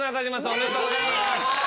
おめでとうございます。